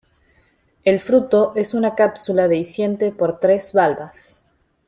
El fruto es una cápsula dehiscente por tres valvas.